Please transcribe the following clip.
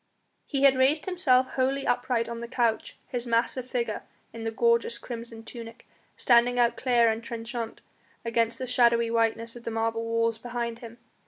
He had raised himself wholly upright on the couch, his massive figure, in the gorgeous crimson tunic, standing out clear and trenchant against the shadowy whiteness of the marble walls behind him.